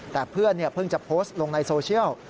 แต่เพื่อนเพิ่งจะโพสต์ลงในโซเชียล